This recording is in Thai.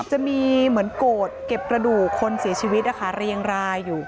จะมีเหมือนโกรธเก็บกระดูกคนเสียชีวิตนะคะเรียงรายอยู่